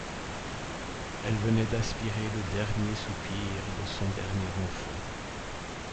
Elle venait d’aspirer le dernier soupir de son dernier enfant.